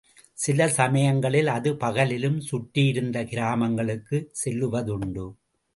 சில சமயங்களில் அது பகலிலும், சுற்றியிருந்த கிராமங்களுக்குச் செல்லுவதுண்டு.